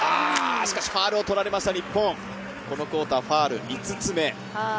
しかしファウルを取られました日本、このクオーター、ファウル５つ目。